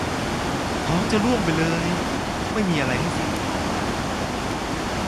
ท้องจะร่วงไปเลย ไม่มีอะไรให้เสียอีกต่อไป